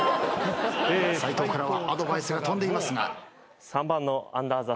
斎藤からはアドバイスが飛んでいますが。